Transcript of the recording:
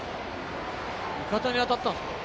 味方に当たったの？